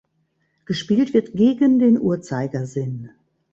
Gespielt wird gegen den Uhrzeigersinn.